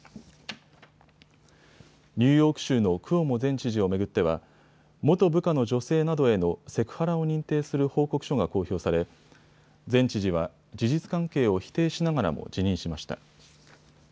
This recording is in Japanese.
ニューヨーク州のクオモ前知事を巡っては元部下の女性などへのセクハラを認定する報告書が公表され前知事は事実関係を否定しながらも辞任しました。